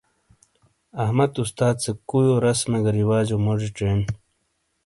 احمد استاد سے کُویو رسمے گہ رواجو موجی چینڈ۔